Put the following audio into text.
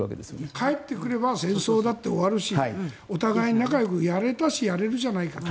帰ってくれば戦争だって終わるしお互い仲良くやれるじゃないかと。